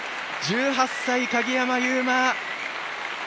１８歳、鍵山優真。